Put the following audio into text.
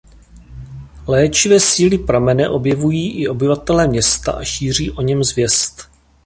Léčivé síly pramene objevují i obyvatelé města a šíří o něm zvěst.